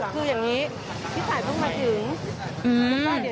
คืออย่างนี้พี่ตายต้องมาถึง